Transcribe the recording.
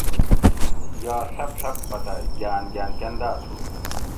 یا ڷۤپ ڷۤپ پتہ گاۤن گاۤن کنداۤ تُھو